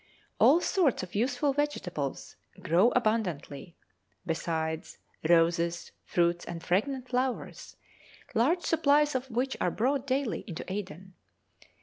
All sorts of useful vegetables grow abundantly, besides roses, fruits, and fragrant flowers, large supplies of which are brought daily into Aden.